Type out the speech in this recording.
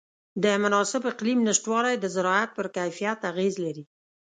د مناسب اقلیم نهشتوالی د زراعت پر کیفیت اغېز لري.